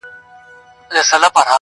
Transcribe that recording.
o خر پر خوټو پېژني٫